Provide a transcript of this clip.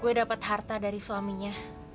gue dapat harta dari suaminya